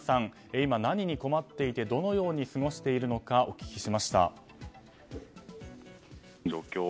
今、何に困っていてどのように過ごしているのかお聞きしました。